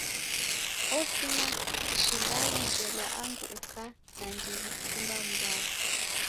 Osima ishindano jelwa angu uko na ndighi kuchumba mbao.